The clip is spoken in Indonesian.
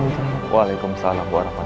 untuk berangkat mencari harta karun